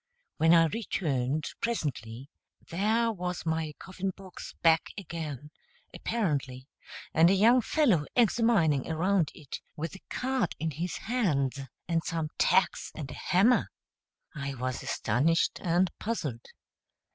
When I returned, presently, there was my coffin box back again, apparently, and a young fellow examining around it, with a card in his hands, and some tacks and a hammer! I was astonished and puzzled.